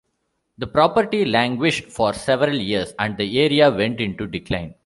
The property languished for several years and the area went into decline.